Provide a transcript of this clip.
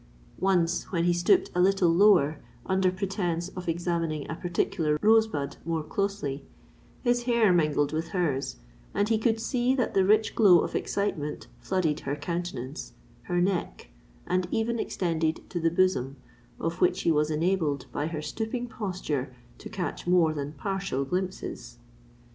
Once, when he stooped a little lower, under pretence of examining a particular rose bud more closely, his hair mingled with hers, and he could see that the rich glow of excitement flooded her countenance—her neck—and even extended to the bosom, of which he was enabled, by her stooping posture, to catch more than partial glimpses.